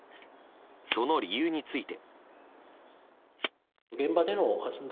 その理由について。